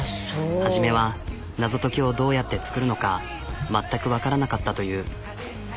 初めは謎解きをどうやって作るのか全くわからなかったという。